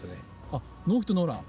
あっノーヒットノーラン？